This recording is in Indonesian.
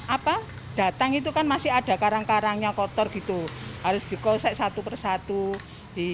apa datang itu kan masih ada karang karangnya kotor gitu harus dikosek satu persatu di